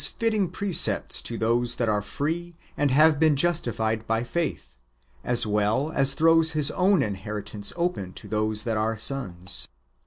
fitting precepts to those that are free, and have been justi fied by faith, as well as throws His own inheritance open to those that are sons.